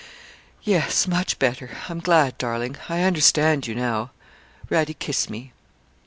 'Yes much better. I'm glad, darling, I understand you now. Radie, kiss me.'